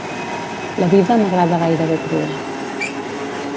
La vida m'agrada gairebé crua.